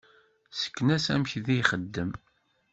Sken-as amek di ixdem.